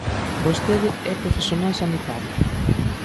Vostede é profesional sanitario.